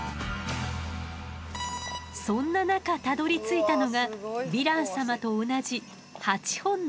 そんな中たどりついたのがヴィラン様と同じ８本の脚。